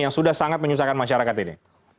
yang sudah sangat menyusahkan masyarakat ini